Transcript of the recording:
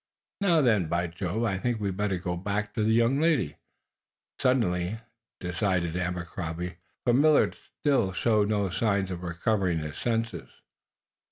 "Now, then, by Jove, I think I'd better go back to the young lady," suddenly decided Abercrombie, for Millard still showed no signs of recovering his senses.